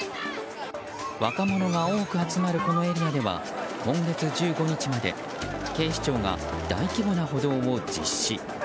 若者が多く集まるこのエリアでは今月１５日まで警視庁が大規模な補導を実施。